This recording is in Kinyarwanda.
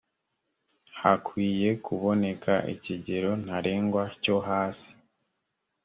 hkwiye kuboneka ikigero ntarengwa cyo hasi